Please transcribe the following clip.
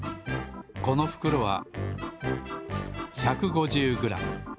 このふくろは１５０グラム。